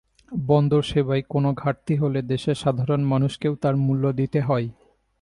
বন্দরসেবায় কোনো ঘাটতি হলে দেশের সাধারণ মানুষকেও তার মূল্য দিতে হয়।